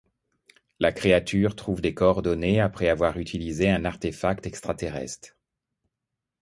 La créature trouve des coordonnées après avoir utilisé un artefact extra-terrestre.